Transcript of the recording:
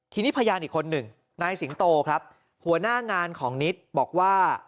ทีนี้พยานอีกคนหนึ่งนายสิงโตครับหัวหน้างานของนิดบอกว่า